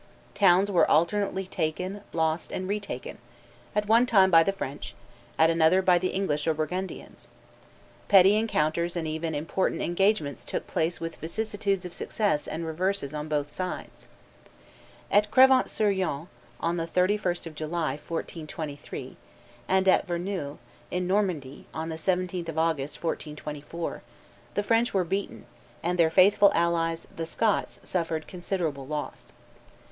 Towns were alternately taken, lost, and retaken, at one time by the French, at another by the English or Burgundians; petty encounters and even important engagements took place with vicissitudes of success and reverses on both sides. At Crevant sur Yonne, on the 31st of July, 1423, and at Verneuil, in Normandy, on the 17th of August, 1424, the French were beaten, and their faithful allies, the Scots, suffered considerable loss.